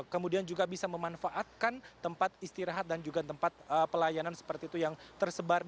kemudian juga bisa memanfaatkan tempat istirahat dan juga tempat pelayanan seperti itu yang tersebar